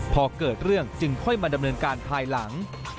พอเกิดเรื่องจึงค่อยมาดำเนินการภายหลัง